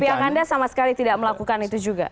pihak anda sama sekali tidak melakukan itu juga